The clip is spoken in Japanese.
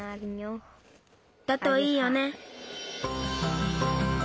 だといいよね。